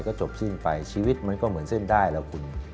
ก็จบสิ้นไปชีวิตมันก็เหมือนเส้นได้แล้วคุณ